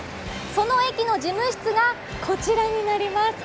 その駅の事務室がこちらになります。